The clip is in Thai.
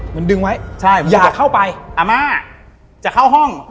มันดึงไว้ใช่อย่าเข้าไปอาม่าจะเข้าห้อง